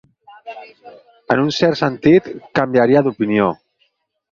En un cert sentit, canviaria d'opinió.